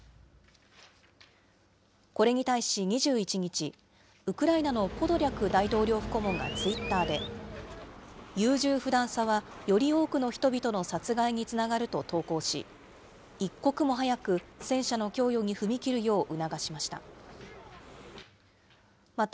これに対し２１日、ウクライナのポドリャク大統領府顧問がツイッターで、優柔不断さはより多くの人々の殺害につながると投稿し、一刻も早く戦車の供与に踏み切るよう促しました。